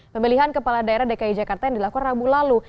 pemilihan kepala daerah dki jakarta yang dilakukan rabu lalu